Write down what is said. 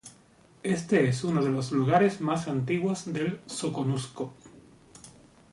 Este es uno de los lugares más antiguos del Soconusco.